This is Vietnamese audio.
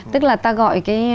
tức là ta gọi cái